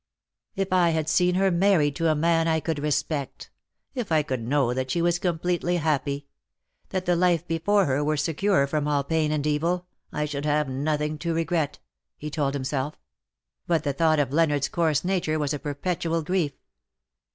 " If I had seen her married to a man I could respect; if I could know that she was completely happy ; that the life before her were secure from all pain and evil, I should have nothing to regret,^^ he told himself; but the thought of Leonardos coarse nature was a perpetual grief.